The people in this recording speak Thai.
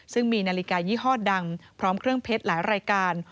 ซึ่งมีนาฬิกายี่ห้อดังพร้อมเครื่องเพชรหลายรายการ